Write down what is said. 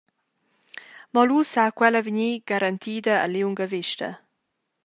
Mo lu sa quella vegnir garantida a liunga vesta.